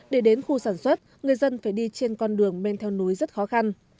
để đến khu sản xuất người dân phải đi trên con đường men theo núi rất khó khăn